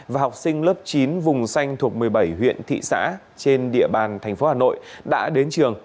và học sinh lớp chín vùng xanh thuộc một mươi bảy huyện thị xã trên địa bàn thành phố hà nội đã đến trường